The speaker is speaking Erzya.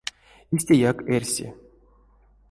Истяяк эрси.